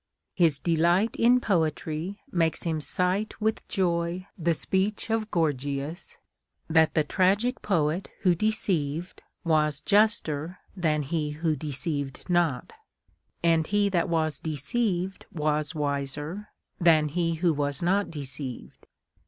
His delight in poetry makes him cite with joy the speech of Gorgias, " that the tragic poet who deceived was juster than he who deceived not, and he that was deceived was wiser than he who was not deceived."